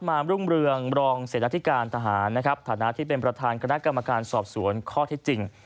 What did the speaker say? มามรุ่งเรืองรองเสนาธิการทหารนะครับฐานะที่เป็นประธานคณะกรรมการสอบสวนข้อเท็จจริง